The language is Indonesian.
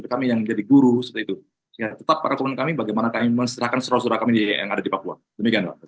kami yang menjadi guru tetap para teman kami bagaimana kami mencerahkan seluruh surat kami yang ada di papua demikian